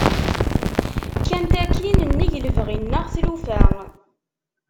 Kkant akin nnig lebɣi-nneɣ tlufa.